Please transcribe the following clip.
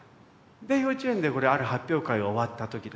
で幼稚園である発表会が終わった時です。